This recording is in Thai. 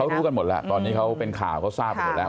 รู้กันหมดแล้วตอนนี้เขาเป็นข่าวเขาทราบกันหมดแล้ว